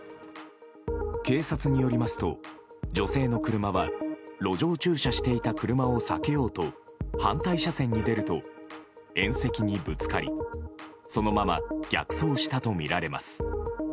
警察によりますと、女性の車は路上駐車していた車を避けようと反対車線に出ると縁石にぶつかりそのまま逆走したとみられます。